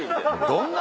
どんな？